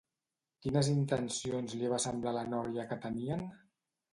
Quines intencions li va semblar a la noia que tenien?